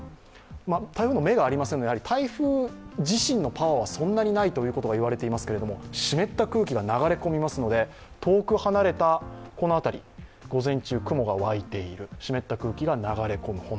台風の目がありませんので台風自身のパワーはそんなにないと言われていますけれども、湿った空気が流れ込みますので遠く離れたこの辺り、午前中、雲が湧いている、湿った空気が本体から流れ込む。